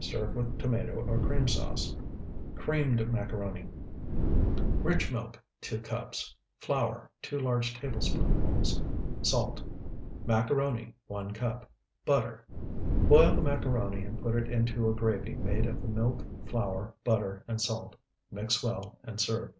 Serve with tomato or cream sauce. CREAMED MACARONI Rich milk, 2 cups. Flour, 2 large tablespoonfuls. Salt. Macaroni, 1 cup. Butter. Boil the macaroni and put it into a gravy made of the milk, flour, butter, and salt. Mix well, and serve.